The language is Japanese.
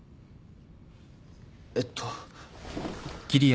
えっと。